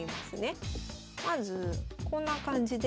まずこんな感じで。